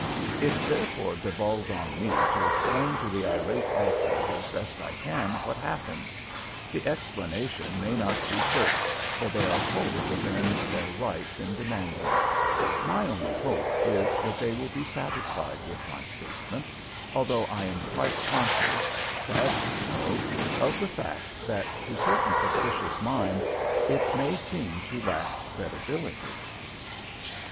It therefore devolves on me to explain to the irate authors as best I can what happened. The explanation may not be shirked, for they are wholly within their rights in demanding it. My only hope is that they will be satisfied with my statement, although I am quite conscious, sadly so, of the fact that to certain suspicious minds it may seem to lack credibility.